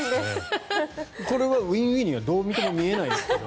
これはウィンウィンにはどう見ても見えないですけど